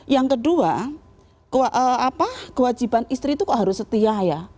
yang kedua kewajiban istri itu kok harus setia ya